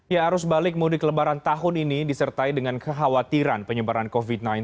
ya arus balik mudik lebaran tahun ini disertai dengan kekhawatiran penyebaran covid sembilan belas